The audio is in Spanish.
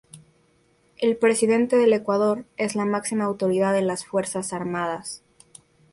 El presidente del Ecuador es la máxima autoridad de las Fuerzas Armadas.